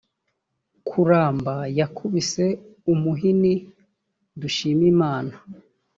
kuramba yakubise umuhini dushimimana